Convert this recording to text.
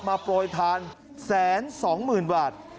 มาโปรดทาน๑๒๐๐๐๐บาท